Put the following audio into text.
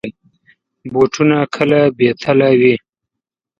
بوټونه کله بې تله وي.